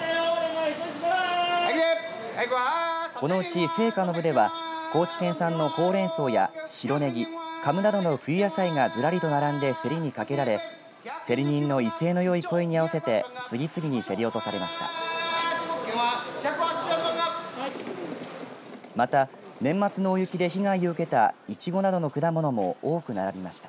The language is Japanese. このうち青果の部では高知県産のほうれんそうや白ねぎかぶなどの冬野菜がずらりと並んで競りにかけられ競り人の威勢のよい声に合わせて次々に競り落とされました。